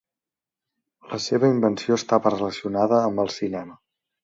La seva invenció estava relacionada amb el cinema.